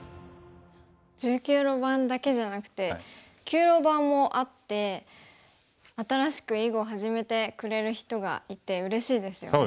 １９路盤だけじゃなくて９路盤もあって新しく囲碁を始めてくれる人がいてうれしいですよね。